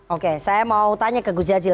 oke saya mau tanya ke gus jazil